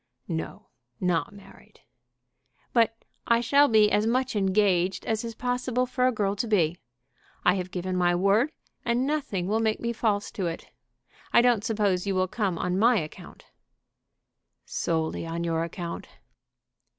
"No; not married." "But I shall be as much engaged as is possible for a girl to be. I have given my word, and nothing will make me false to it. I don't suppose you will come on my account." "Solely on your account."